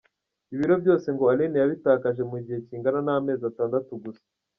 Ibi biro byose ngo Aline yabitakaje mu gihe kingana n’amezi atandatu gusa.